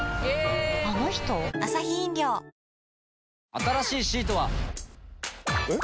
新しいシートは。えっ？